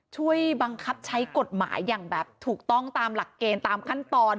ช่วยบังคับใช้กฎหมายอย่างแบบถูกต้องตามหลักเกณฑ์ตามขั้นตอน